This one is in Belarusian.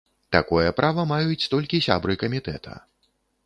Такое права маюць толькі сябры камітэта.